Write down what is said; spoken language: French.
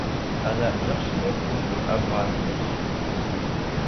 Hanna Hirsch est la fille de Abraham Hirsch.